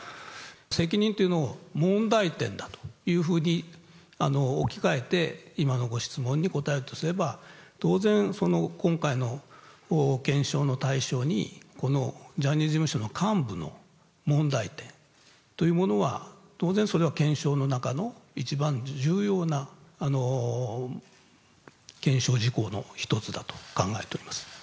責任というのを問題点だというふうに置き換えて、今のご質問に答えるとすれば、当然、その今回の検証の対象に、このジャニーズ事務所の幹部の問題点というものは当然、それは検証の中の一番重要な検証事項の一つだと考えております。